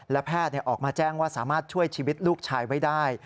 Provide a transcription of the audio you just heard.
และแพทย์ออกมาแจ้งว่าสามารถช่วยชีวิตลูกชายไว้ได้